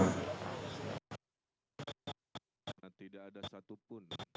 karena tidak ada satupun